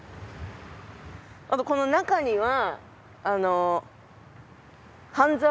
あとこの中には。